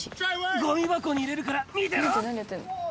ごみ箱に入れるから、見てろ。